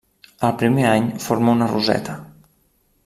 El primer any forma una roseta.